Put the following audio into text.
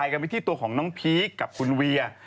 เกี่ยวของน้องพีคกับคุณเวีย